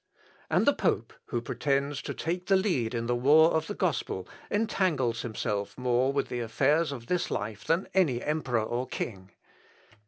And the pope, who pretends to take the lead in the war of the gospel, entangles himself more with the affairs of this life than any emperor or king.